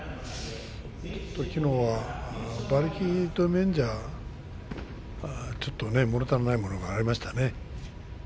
ちょっときのうは馬力という面ではちょっともの足らないものがありましたね。